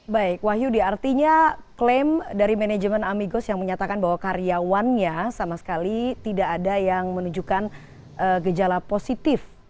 baik wahyu diartinya klaim dari manajemen amigos yang menyatakan bahwa karyawannya sama sekali tidak ada yang menunjukkan gejala positif